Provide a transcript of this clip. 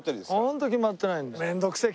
ホント決まってないんだよ。